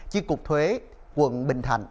chiếc cục thuế quận bình thành